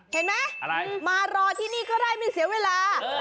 เห็นไหมอะไรมารอที่นี่ก็ได้ไม่เสียเวลา